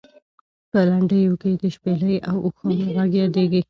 په لنډیو کې د شپېلۍ او اوښانو غږ یادېږي.